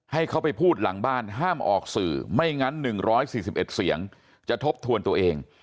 ให้เขาไปพูดหลังบ้านห้ามออกสื่อไม่งั้น๑๔๑เสียงจะทบทวนตัวเอง